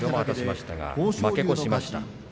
負け越しました。